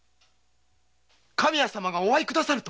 神谷様がお会い下さると？